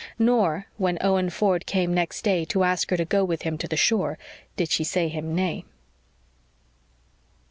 Nor, when Owen Ford came next day, to ask her to go with him to the shore, did she say him nay.